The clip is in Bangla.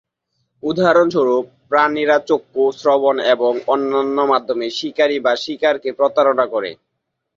উদাহরণস্বরূপ, প্রাণীরা চক্ষু, শ্রবণ এবং অন্যান্য মাধ্যমে শিকারী বা শিকারকে প্রতারণা করে।